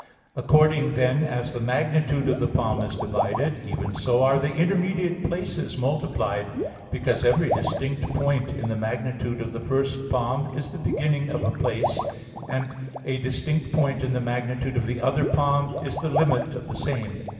According, then, as the magnitude of the palm is divided, even so are the intermediate places multiplied; because every distinct point in the magnitude of the first palm is the beginning of a place, and a distinct point in the magnitude of the other palm is the limit of the same.